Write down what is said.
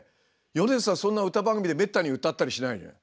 そんな歌番組でめったに歌ったりしないのよ。